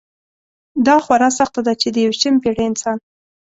دا خورا سخته ده چې د یویشتمې پېړۍ انسان.